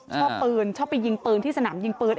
ชอบปืนชอบไปยิงปืนที่สนามยิงปืน